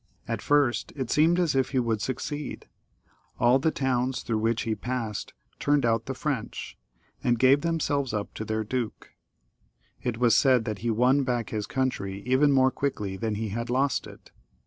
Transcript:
At first it seemed as if he would succeed. All the towns through which he passed turned out the French, and gave them selves up to their duk6. It was said that he won back his country even more quickly than he had lost it.